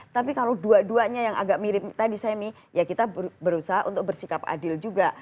tapi kalau dua duanya yang agak mirip tadi semi ya kita berusaha untuk bersikap adil juga